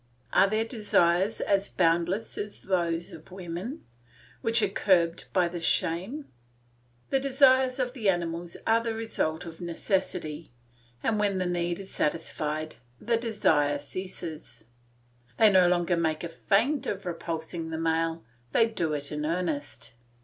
Are their desires as boundless as those of women, which are curbed by this shame? The desires of the animals are the result of necessity, and when the need is satisfied, the desire ceases; they no longer make a feint of repulsing the male, they do it in earnest.